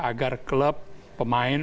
agar klub pemain